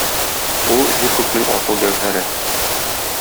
Ул - җир-күкнең асыл гәүһәре.